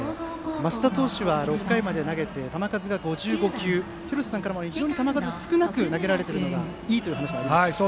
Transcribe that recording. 升田投手は６回まで投げて球数５５球廣瀬さんからも非常に球数を少なく投げられているのがいいと。